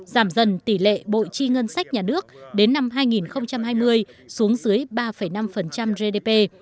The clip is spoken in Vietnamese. giảm dần tỷ lệ bội chi ngân sách nhà nước đến năm hai nghìn hai mươi xuống dưới ba năm gdp